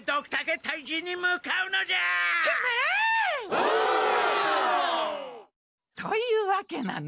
オ！というわけなの。